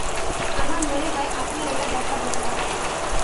আমার মনে হয় আপনার এটা দেখা দরকার।